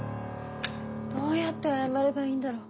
どうやって謝ればいいんだろ。